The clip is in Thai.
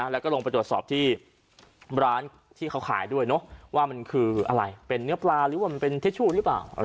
แล้วก็ลงไปตรวจสอบที่ร้านที่เขาขายด้วยว่ามันคืออะไรเป็นเนื้อปลาหรือว่ามันเป็นทิชชู่หรือเปล่า